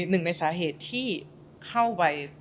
หนึ่งในสาเหตุที่เข้าไป